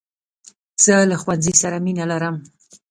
زه له ښوونځۍ سره مینه لرم .